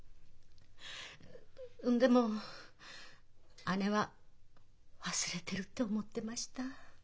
んでも姉は忘れてるって思ってました。